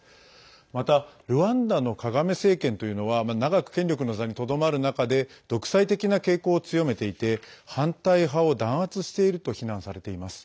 また、ルワンダのカガメ政権というのは長く権力の座にとどまる中で独裁的な傾向を強めていて反対派を弾圧していると非難されています。